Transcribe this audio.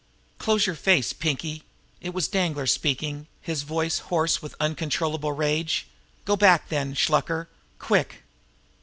"Close your face, Pinkie!" It was Danglar speaking, his voice hoarse with uncontrollable rage. "Go on back, then, Shluker. Quick!"